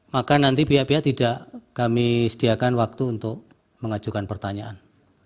maka nanti pihak pihak tidak kami sediakan waktu untuk mengajukan pertanyaan